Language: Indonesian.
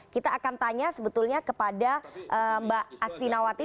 kita akan tanya sebetulnya kepada mbak asvinawati